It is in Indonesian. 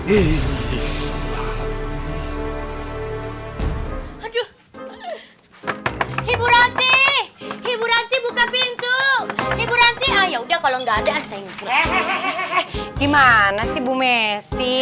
ibu ranti ibu ranti buka pintu ibu ranti ayah udah kalau enggak ada sayang gimana sih bu messi